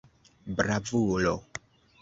Bravulo!